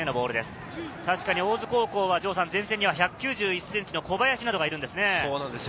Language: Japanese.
大津高校は前線には１９１ｃｍの小林などがいるんですね。